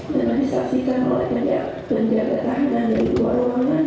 dan disaksikan oleh penjaga tahanan dari dua ruangan